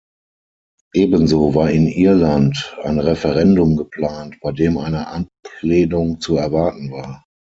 Ebenso war in Irland ein Referendum geplant, bei dem eine Ablehnung zu erwarten war.